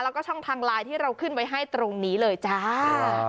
แล้วก็ช่องทางไลน์ที่เราขึ้นไว้ให้ตรงนี้เลยจ้า